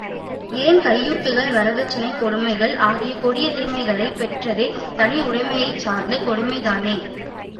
ஏன் கையூட்டுகள், வரதட்சணைக் கொடுமைகள் ஆகிய கொடிய தீமைகளைப் பெற்றதே தனி உடைமையைச் சார்ந்த கொடுமைதானே!